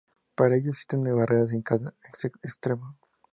Para ello existen barreras en cada extremo.